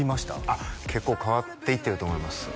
あっ結構変わっていってると思います